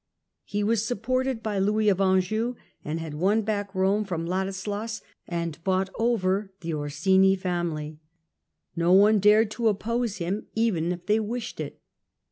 He was supported by Louis of Anjou, and had won back Eome from Ladislas and bought over the Orsini family. No one dared to oppose him even if they wished it.